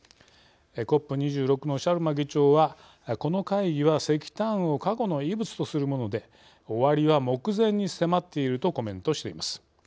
ＣＯＰ２６のシャルマ議長は「この会議は石炭を過去の遺物とするもので終わりは目前に迫っている」とコメントしています。